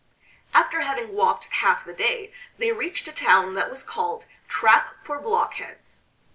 After having walked half the day they reached a town that was called "Trap for Blockheads."